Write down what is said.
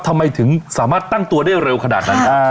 ทำไมถึงสามารถตั้งตัวได้เร็วขนาดนั้น